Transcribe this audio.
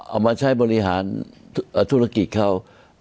เอามาใช้บริหารธุรกิจเขา